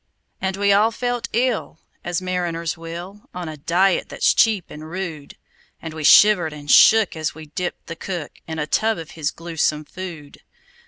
And we all felt ill as mariners will, On a diet that's cheap and rude; And we shivered and shook as we dipped the cook In a tub of his gluesome food.